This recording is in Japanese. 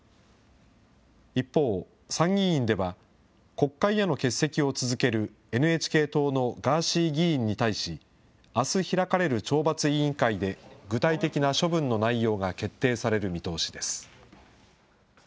一方、参議院では、国会への欠席を続けるＮＨＫ党のガーシー議員に対し、あす開かれる懲罰委員会で、具体的な処分の内容が決定される見通しです。